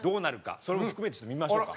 それも含めてちょっと見ましょうか。